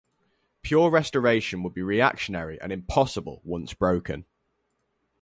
Pure restoration would be reactionary and impossible once broken.